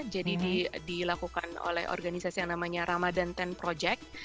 jadi dilakukan oleh organisasi yang namanya ramadan sepuluh project